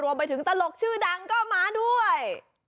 รวมไปถึงตลกชื่อดังก็มาด้วย